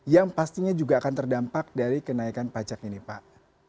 yang pastinya juga akan terdampak dari kenaikan pajak ini pak